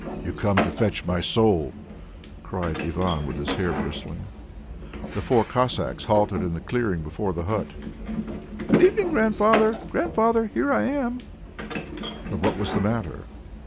"You come to fetch my soul," cried Ivan with his hair bristling. The four Cossacks halted on the clearing before the hut. "Good evening, Grandfather! Grandfather! here I am!" But what was the matter?